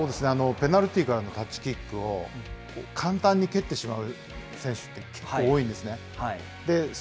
ペナルティーからのタッチキックを簡単に蹴ってしまう選手って結構多いんですね。